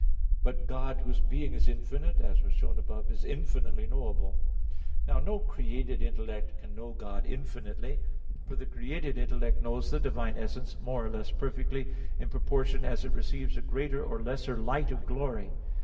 But God, whose being is infinite, as was shown above (Q. 7), is infinitely knowable. Now no created intellect can know God infinitely. For the created intellect knows the Divine essence more or less perfectly in proportion as it receives a greater or lesser light of glory.